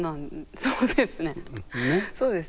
そうですね。